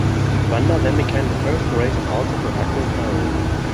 Evander then became the first to raise an altar to Hercules' heroism.